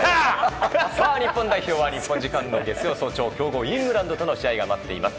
日本代表は日本時間の月曜早朝に強豪イングランドとの試合が待っています。